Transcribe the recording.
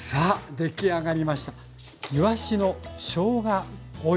出来上がりました。